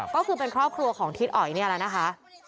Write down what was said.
ก็คือเป็นครอบครัวของทิศอ๋อยนี่แหละนะคะ